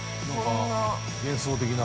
◆幻想的な。